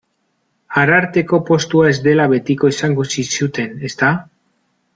Ararteko postua ez dela betiko esango zizuten, ezta?